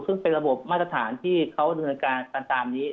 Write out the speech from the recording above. ซึ่งเป็นระบบมาตรฐานที่เขาดำเนินการกันตามนี้